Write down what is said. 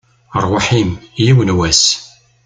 Rrwaḥ-im, yiwen n wass!